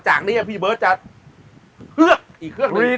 จากนี้พี่เบิร์ตจะเฮือกอีกเครื่องหนึ่ง